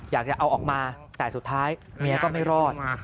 อยากจะเอาออกมาแต่สุดท้ายเมียก็ไม่รอด